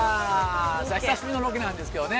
さあ久しぶりのロケなんですけどね。